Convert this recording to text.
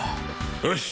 よし！